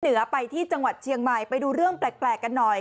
เหนือไปที่จังหวัดเชียงใหม่ไปดูเรื่องแปลกกันหน่อย